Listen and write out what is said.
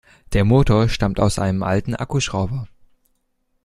Der Motor stammt aus einem alten Akkuschrauber.